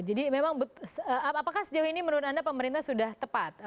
jadi memang apakah sejauh ini menurut anda pemerintah sudah tepat